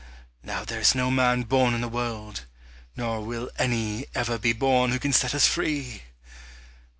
Now there is no man born in the world, nor will any ever be born who can set us free!